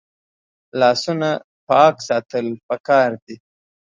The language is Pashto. لاسونه پاک ساتل پکار دي